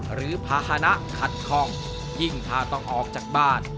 หรือภาษณะขัดคล่องยิ่งถ้าต้องออกจากบ้าน